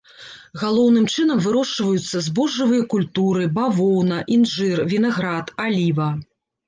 Галоўным чынам вырошчваюцца збожжавыя культуры, бавоўна, інжыр, вінаград, аліва.